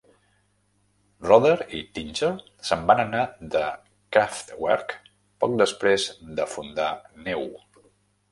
Rother i Dinger se'n van anar de Kraftwerk poc després de fundar Neu!